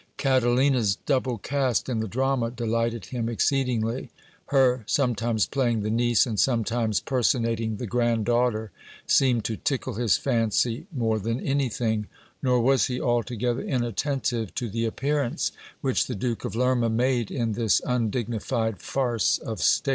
Catalina's double cast in the drama delighted him exceedingly ; her sometimes playing the niece and sometimes personating the grand daughter seemed to tickle his fancy more than anything ; nor was he altogether inattentive to the appearance which the Duke of Lerma made in this undignified farce of state.